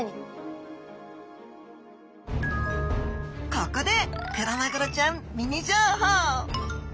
ここでクロマグロちゃんミニ情報！